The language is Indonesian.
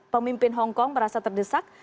pemimpin hongkong merasa terdesak